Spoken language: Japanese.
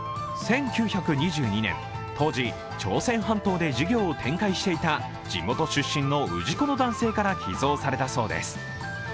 １９２２年、当時朝鮮半島で事業を展開していた地元出身の氏子の男性から寄贈されたそうです。